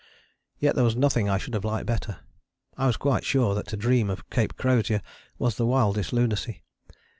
Yet there was nothing I should have liked better: I was quite sure that to dream of Cape Crozier was the wildest lunacy.